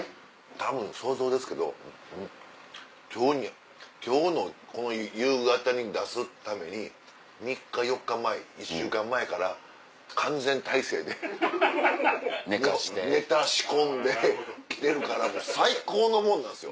たぶん想像ですけど今日のこの夕方に出すために３日４日前１週間前から完全態勢でネタ仕込んで来てるからもう最高のもんなんですよ。